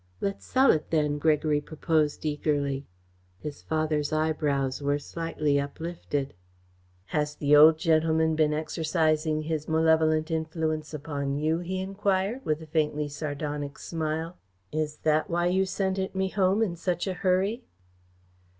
"Let's sell it then?" Gregory proposed eagerly. His father's eyebrows were slightly uplifted. "Has the old gentleman been exercising his malevolent influence upon you?" he enquired, with a faintly sardonic smile. "Is that why you sent it me home in such a hurry?"